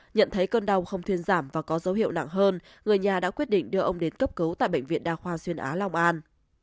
nhận thấy cơn đau không thuyên giảm và có dấu hiệu nặng hơn người nhà đã quyết định đưa ông đến cấp cứu tại bệnh viện đa khoa xuyên á long an